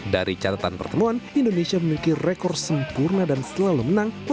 dari catatan pertemuan indonesia memiliki rekor sempurna dan selalu menang